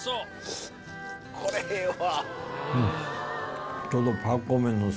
これええわ！